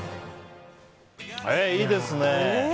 いいですね！